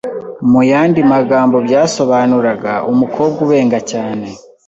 muyandi magambo byasobanuraga) umukobwa ubenga cyane,